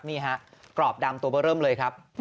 นี่ฮะกรอบดำตัวเบอร์เริ่มเลยครับ